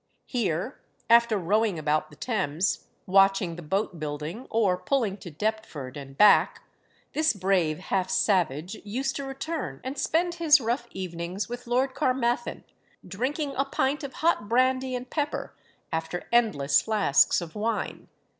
Here, after rowing about the Thames, watching the boat building, or pulling to Deptford and back, this brave half savage used to return and spend his rough evenings with Lord Caermarthen, drinking a pint of hot brandy and pepper, after endless flasks of wine.